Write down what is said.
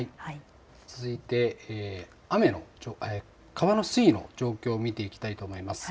続いて川の水位の状況を見ていきたいと思います。